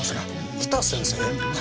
北先生？